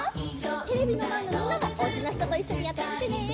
テレビのまえのみんなもおうちのひとといっしょにやってみてね！